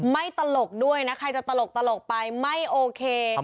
ตลกด้วยนะใครจะตลกไปไม่โอเค